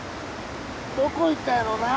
どこ行ったんやろなあ？